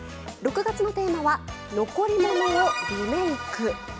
６月のテーマは「残り物をリメイク」。